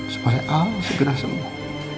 supaya allah segera sembuh